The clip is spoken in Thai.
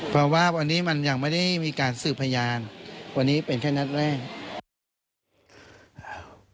เพราะว่าวันนี้มันยังไม่ได้มีการสืบพยานวันนี้เป็นแค่นัดแรก